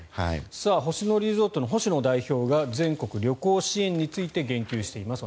星野リゾートの星野代表が全国旅行支援について言及しています。